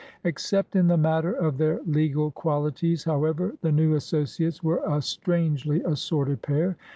1 Except in the matter of their legal qualities, however, the new associates were a strangely assorted pair.